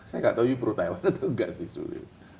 saya tidak tahu anda pro taiwan atau tidak sih